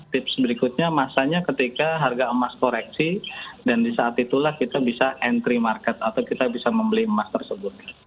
tips berikutnya masanya ketika harga emas koreksi dan di saat itulah kita bisa entry market atau kita bisa membeli emas tersebut